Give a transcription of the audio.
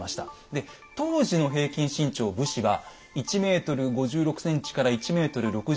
で当時の平均身長武士は１ｍ５６ｃｍから１ｍ６７ｃｍなんですって。